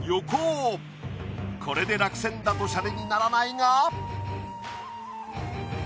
これで落選だとシャレにならないが？